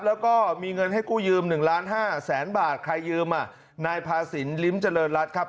แล้วก็มีเงินให้กู้ยืม๑ล้านห้าแสนบาทใครยืมอ่ะนายพาสินลิ้มเจริญรัฐครับ